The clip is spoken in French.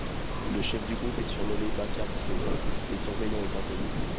Le chef du groupe est surnommé Bacar Sow, mais son vrai nom est inconnu.